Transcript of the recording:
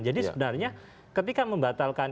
jadi sebenarnya ketika membatalkan